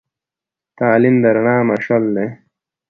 تعلیم د رڼا مشعل دی.